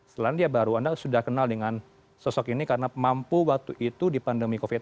selandia baru anda sudah kenal dengan sosok ini karena mampu waktu itu di pandemi covid sembilan belas